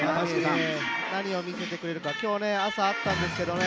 何を見せてくれるか今日、朝会ったんですけどね